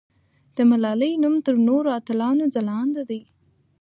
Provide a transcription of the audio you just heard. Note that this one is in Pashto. د ملالۍ نوم تر نورو اتلانو ځلانده دی.